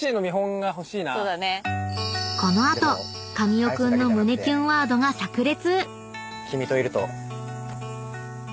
［この後神尾君の胸キュンワードが炸裂！］